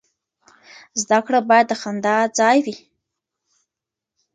زده کړه باید د خندا ځای وي.